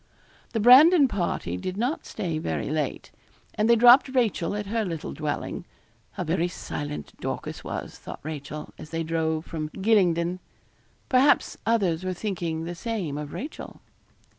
The Brandon party did not stay very late. And they dropped Rachel at her little dwelling. How very silent Dorcas was, thought Rachel, as they drove from Gylingden. Perhaps others were thinking the same of Rachel.